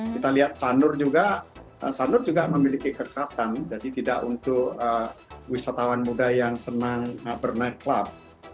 kita lihat sanur juga sanur juga memiliki kekerasan jadi tidak untuk wisatawan muda yang senang bermain club